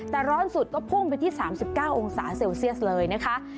แต่ร้อนสุดก็พุ่งไปที่๓๙องศาเซลเซียสเลยนะคะ